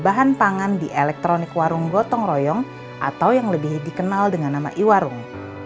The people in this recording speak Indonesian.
bahan pangan di elektronik warung gotong royong atau yang lebih dikenal dengan nama iwarung